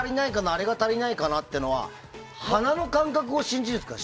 あれが足りないかなっていうのは鼻の感覚を信じるんですか？